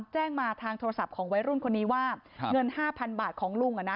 แจ้งมาทางโทรศัพท์ของวัยรุ่นคนนี้ว่าเงิน๕๐๐๐บาทของลุง